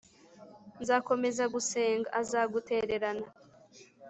nzakomeza gusenga azagutererana